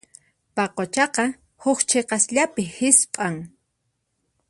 Paquchaqa huk chiqasllapi hisp'an.